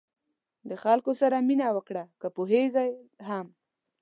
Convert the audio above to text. د خلکو سره مرسته وکړه که پوهېږئ هم.